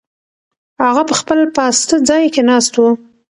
هغه په خپل پاسته ځای کې ناست و.